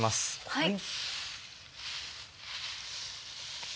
はい。